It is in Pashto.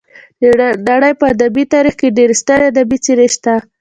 د نړۍ په ادبي تاریخ کې ډېرې سترې ادبي څېرې شته.